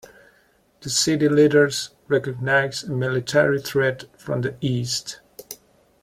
The city leaders recognized a military threat from the east.